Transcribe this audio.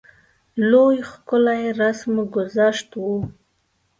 لوی ښکلی رسم ګذشت وو.